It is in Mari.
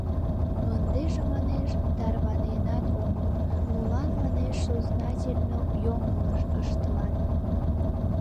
Ындыже манеш, тарваненат омыл, молан, манеш, сознательно йоҥылыш ыштылат?